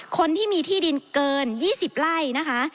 คนที่มีที่ดินเกิน๒๐ไร่นะคะ